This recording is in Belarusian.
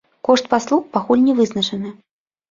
Кошт паслуг пакуль не вызначаны.